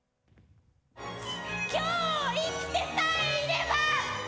今日を生きてさえいれば。